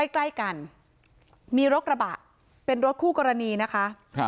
ใกล้กันมีรถกระบะเป็นรถคู่กรณีนะคะ